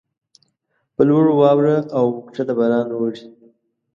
پر لوړو واوره اوکښته باران اوري.